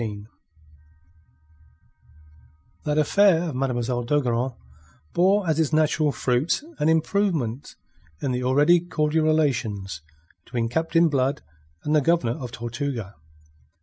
THE TRAP That affair of Mademoiselle d'Ogeron bore as its natural fruit an improvement in the already cordial relations between Captain Blood and the Governor of Tortuga.